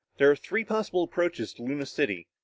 There are three possible approaches to Luna City.